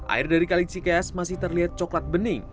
air dari kali cikeas masih terlihat coklat bening